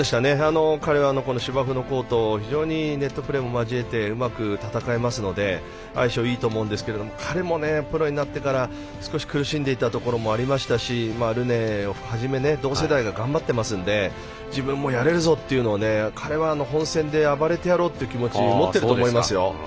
彼は、芝生のコートで非常にネットプレーも交えてうまく戦いますので相性がいいと思うんですけれども彼もプロになってから少し苦しんでいたところもありましたし同世代が頑張っていますので自分もやれるぞって気持ち彼は本戦で暴れてやろうって気持ちを持ってると思いますよ。